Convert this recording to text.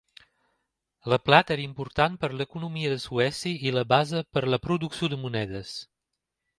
La plata era important per a l'economia de Suècia i la base per a la producció de monedes.